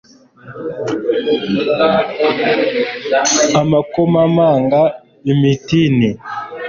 Amakomamanga imitini